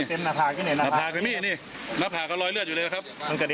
ตัวเต็มหน้าผากไหนหน้าผากไหนนี่หน้าผากเขาลวยเลือดอยู่แล้วนะครับ